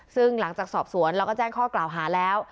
ซึ่งหลังจากสอบสวนแล้วก็แจ้งข้อกล่าวหาแล้ว